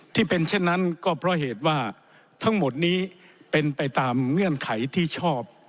ที่เป็นเช่นนั้นก็เพราะเหตุว่าทั้งหมดนี้เป็นไปตามเงื่อนไขที่ชอบ